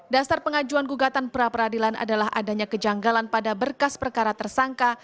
dasar pengajuan gugatan pra peradilan adalah adanya kejanggalan pada berkas perkara tersangka